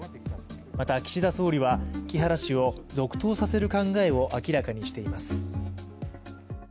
また岸田総理は木原氏を続投させる考えを明らかにしています。